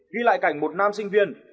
ghi lại cảnh một nam sinh viên